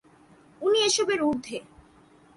উনি এসবের উর্ধে।